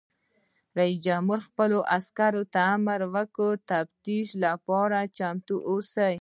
رئیس جمهور خپلو عسکرو ته امر وکړ؛ د تفتیش لپاره چمتو اوسئ!